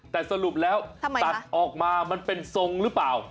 แต่สรุปแล้วตัดออกมามันเป็นทรงหรือเปล่า